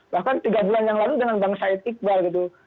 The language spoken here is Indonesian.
bahkan tiga bulan yang lalu dengan bang said iqbal gitu